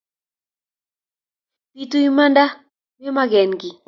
Pitu imanda me maken kiy